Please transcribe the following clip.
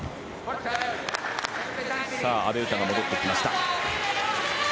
阿部詩が戻ってきました。